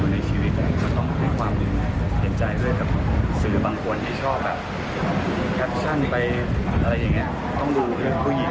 ไม่มีใครไม่เครียดหรอกเรื่องพวกนี้มันเป็นเรื่องใหญ่